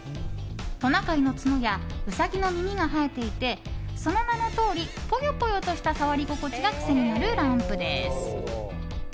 トナカイの角やウサギの耳が生えていてその名のとおりポヨポヨとした触り心地が癖になるランプです。